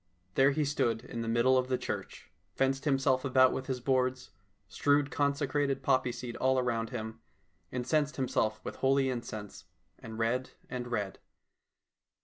There he stood in the middle of the church, fenced himself about with his boards, strewed consecrated poppy seed around him, incensed himself with holy incense, and read and read.